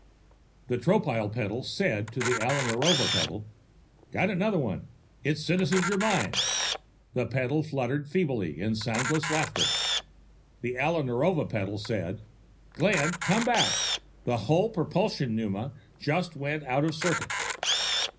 The Tropile petal "said" to the Alla Narova petal: "Got another one! It's Citizen Germyn!" The petal fluttered feebly in soundless laughter. The Alla Narova petal "said": "Glenn, come back! The whole propulsion pneuma just went out of circuit!"